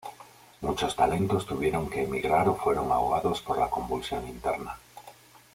Muchos talentos tuvieron que emigrar o fueron ahogados por la convulsión interna.